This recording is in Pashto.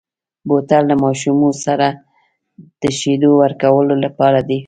بوتل له ماشومو سره د شیدو ورکولو لپاره دی.